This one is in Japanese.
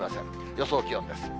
予想気温です。